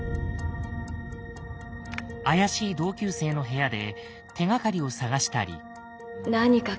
怪しい同級生の部屋で手がかりを探したり。